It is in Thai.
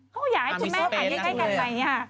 เขาอยากให้คุณแม่ไปใกล้กันไหมอ่ะ